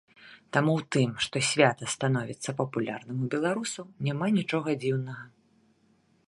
Таму ў тым, што свята становіцца папулярным у беларусаў, няма нічога дзіўнага.